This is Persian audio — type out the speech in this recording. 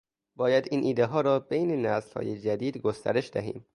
باید این ایدهها را بین نسلهای جدید گسترش دهیم